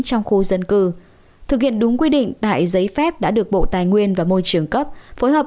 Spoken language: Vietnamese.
trong khu dân cư thực hiện đúng quy định tại giấy phép đã được bộ tài nguyên và môi trường cấp phối hợp